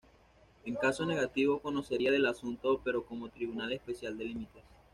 En caso negativo conocería del asunto pero como tribunal especial de límites.